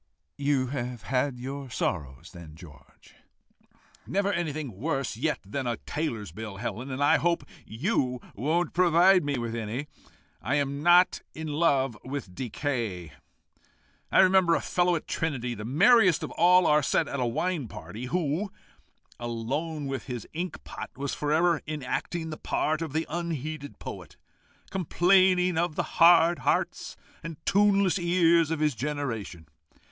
"You have had your sorrows, then, George?" "Never anything worse yet than a tailor's bill, Helen, and I hope you won't provide me with any. I am not in love with decay. I remember a fellow at Trinity, the merriest of all our set at a wine party, who, alone with his ink pot, was for ever enacting the part of the unheeded poet, complaining of the hard hearts and tuneless ears of his generation.